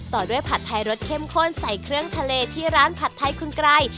ต่อด้วยผัดไทยรสเข้มข้นใส่เครื่องทะเลที่ร้านผัดไทยคุณไกร